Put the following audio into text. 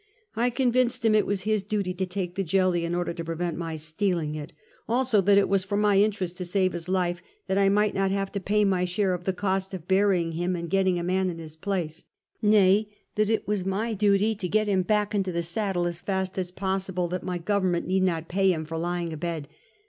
I convinced him it was his duty to take the jelly in order to prevent my stealing it. Also, that it was for my interest to save his life, that I might not have to pay my share of the cost of burying him and getting a man in his place, ^o y, that it was my duty to get '">■ 298 Half a Centuet. hiin back into tlie saddle as fast as possible, that my government need not pay him for lying abed.